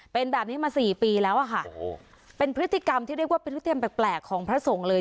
เป็นแบบนี้มาสี่ปีแล้วอะค่ะเป็นพฤติกรรมที่เรียกว่าพฤติกรรมแปลกของพระสงฆ์เลย